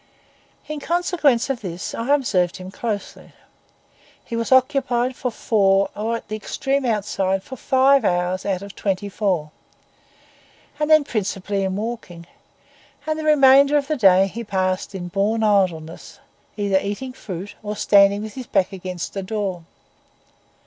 In consequence of this, I observed him closely; he was occupied for four or, at the extreme outside, for five hours out of the twenty four, and then principally in walking; and the remainder of the day he passed in born idleness, either eating fruit or standing with his back against a door.